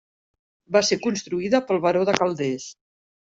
Va ser construïda pel baró de Calders.